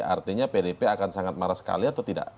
artinya pdip akan sangat marah sekali atau tidak